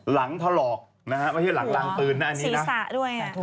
หลังทะหรอกหลังลางตืนน่ะ